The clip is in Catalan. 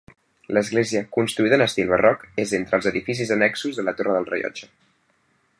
L'església, construïda en estil barroc, és entre els edificis annexos de la Torre del Rellotge.